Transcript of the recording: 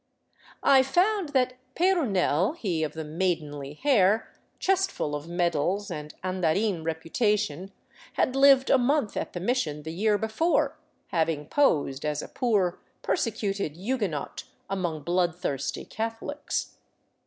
I found that Peyrounel, he of the maidenly hair, chestful of medals, and andarin reputation, had lived a month at the mission the year before, having posed as a poor persecuted Huguenot among bloodthirsty Catholics.